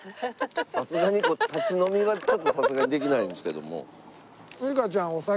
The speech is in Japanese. さすがに立ち飲みはちょっとさすがにできないんですけども。